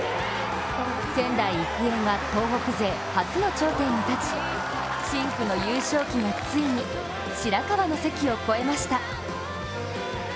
仙台育英が東北勢初の頂点に立ち深紅の優勝旗がついに、白河の関を超えました。